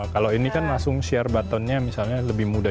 kalau ini kan langsung share buttonnya misalnya lebih mudah